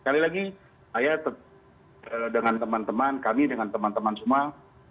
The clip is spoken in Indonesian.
sekali lagi dengan teman teman kami dengan teman teman semua kami akan berlanggar semua ini